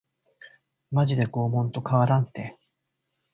マジで拷問と変わらんて